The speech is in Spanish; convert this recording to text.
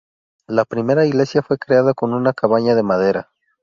La primera iglesia fue creada como una cabaña de madera.